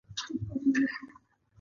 چې موږ خپل چاپیریال وپیژنو.